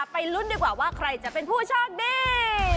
ลุ้นดีกว่าว่าใครจะเป็นผู้โชคดี